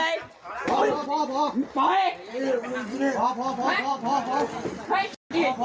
ยังไม่รู้สาเหตุก็